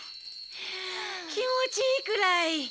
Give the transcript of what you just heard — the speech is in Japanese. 気持ちいいくらい。